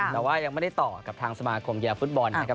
แต่ว่ายังไม่ได้ต่อกับทางสมาคมกีฬาฟุตบอลนะครับ